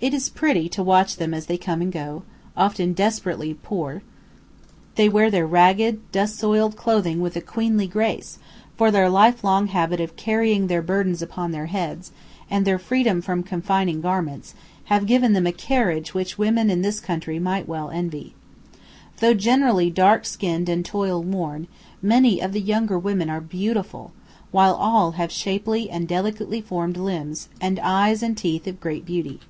It is pretty to watch them as they come and go; often desperately poor, they wear their ragged, dust soiled clothing with a queenly grace, for their lifelong habit of carrying burdens upon their heads, and their freedom from confining garments, have given them a carriage which women in this country might well envy. Though generally dark skinned and toil worn, many of the younger women are beautiful, while all have shapely and delicately formed limbs, and eyes and teeth of great beauty.